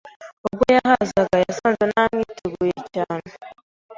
Ubwo yahazaga, yasanze namwiteguye cyane